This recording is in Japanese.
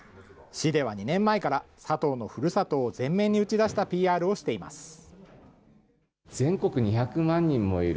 市では２年前から佐藤のふるさとを前面に打ち出したＰＲをしています。